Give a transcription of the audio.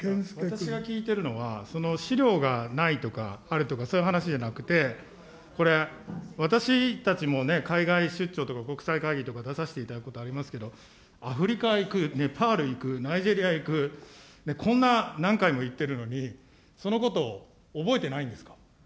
私が聞いてるのはその、資料がないとか、あるとかそういう話じゃなくて、これ、私たちも海外出張とか、国際会議とか出させていただくことありますけど、アフリカへ行く、ネパール行く、ナイジェリア行く、こんな何回も行ってるのに、そのことを覚えてないんですか。